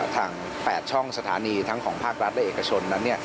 ทาง๘ช่องสถานีทั้งของภาครัฐและเอกชนนั้น